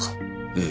ええ。